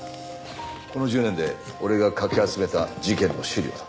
この１０年で俺がかき集めた事件の資料だ。